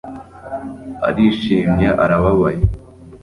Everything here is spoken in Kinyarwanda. arishimye, arababaye